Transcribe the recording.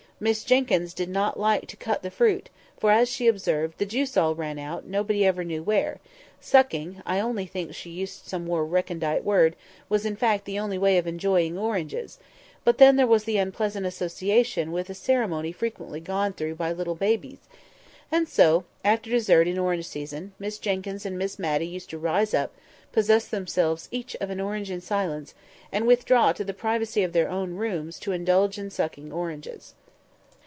Miss Jenkyns did not like to cut the fruit; for, as she observed, the juice all ran out nobody knew where; sucking (only I think she used some more recondite word) was in fact the only way of enjoying oranges; but then there was the unpleasant association with a ceremony frequently gone through by little babies; and so, after dessert, in orange season, Miss Jenkyns and Miss Matty used to rise up, possess themselves each of an orange in silence, and withdraw to the privacy of their own rooms to indulge in sucking oranges.